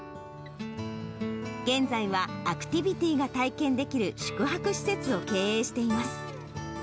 現在はアクティビティが体験できる宿泊施設を経営しています。